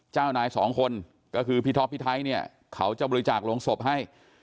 เจ้านายสองคนก็คือพี่ท็อปพี่ไทยเนี่ยเขาจะบริจาคโรงศพให้